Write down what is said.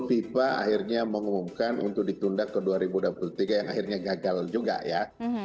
fifa akhirnya mengumumkan untuk ditunda ke dua ribu dua puluh tiga yang akhirnya gagal juga ya